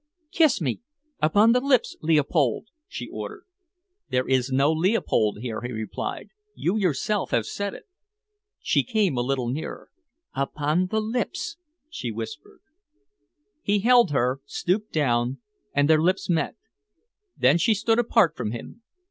"Kiss me upon the lips, Leopold," she ordered. "There is no Leopold here," he replied; "you yourself have said it." She came a little nearer. "Upon the lips," she whispered. He held her, stooped down, and their lips met. Then she stood apart from him.